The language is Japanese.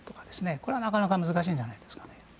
これはなかなか難しいんじゃないかと。